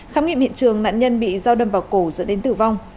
khám nghiệm hiện trường nạn nhân bị dao đâm vào cổ dẫn đến tử vong